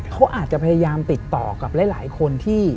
เขาอาจจะพยายามติดต่อกับหลายคนที่